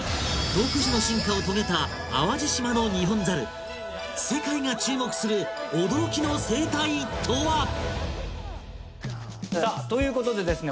独自の進化を遂げた淡路島のニホンザル世界が注目する驚きの生態とは⁉さあということでですね